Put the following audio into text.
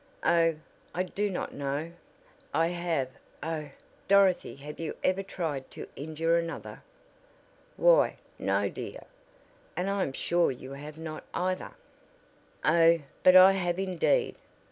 "Oh, I do not know. I have Oh, Dorothy have you ever tried to injure another?" "Why, no, dear, and I am sure you have not, either." "Oh, but I have indeed!